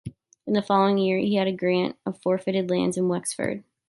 In the following year he had a grant of forfeited lands in Wexford.